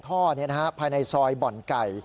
ท่อนี้นะฮะภายในซอยบ่อนไก่